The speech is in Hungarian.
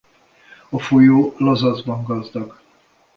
A folyó lazacban gazdag.